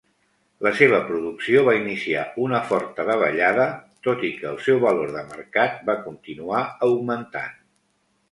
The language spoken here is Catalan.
La seva producció va iniciar una forta davallada, tot i que el seu valor de mercat va continuar augmentant.